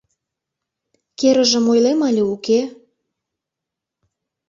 Керыжым ойлем але уке?..